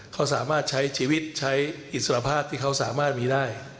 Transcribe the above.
เขาสามารถใช้ชีวิตใช้อิสรภาพที่เขาสามารถมีได้